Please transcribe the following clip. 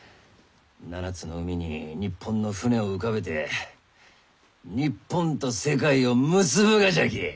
七つの海に日本の船を浮かべて日本と世界を結ぶがじゃき。